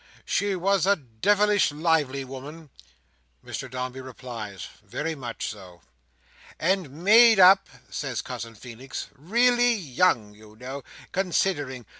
She was a devilish lively woman." Mr Dombey replies, "Very much so." "And made up," says Cousin Feenix, "really young, you know, considering.